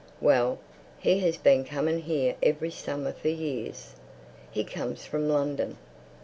Well, he has been coming here every summer for years. He comes from London.